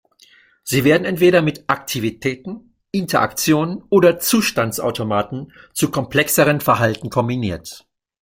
Sie werden entweder mit Aktivitäten, Interaktionen oder Zustandsautomaten zu komplexeren Verhalten kombiniert.